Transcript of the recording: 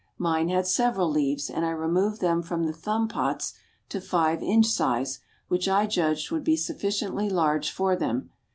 Mine had several leaves, and I removed them from the thumb pots to five inch size, which I judged would be sufficiently large for them.